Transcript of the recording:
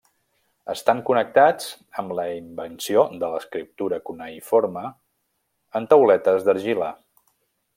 Estan connectats amb la invenció de l'escriptura cuneïforme en tauletes d'argila.